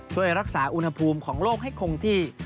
ช่วยรักษาอุณหภูมิของโลกให้คงที่